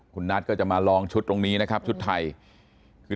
คุณนัทก็จะมาลองชุดตรงนี้นะครับชุดไทยคือ